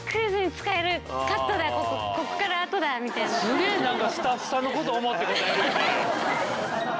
すげえ何かスタッフさんのこと思って答えるよね！